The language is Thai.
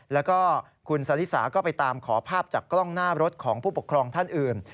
แล้วก็คุณสลิสาก็ไปตามขอภาพจากกล้องหน้ารถของผู้ปกครองท่านอื่น